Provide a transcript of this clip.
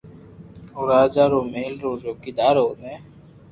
او راجا رو مھل را چوڪيدار اوني